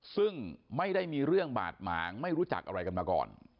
ซึ่งไม่ได้มีเรื่องบาดหมางไม่รู้จักอะไรกันมาก่อน